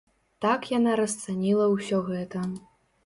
Так яна расцаніла ўсё гэта.